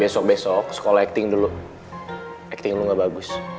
besok besok sekolah acting dulu acting lu gak bagus